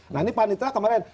nah ini panitera kemarin